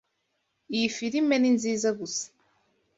Iyi firime ninziza gusa.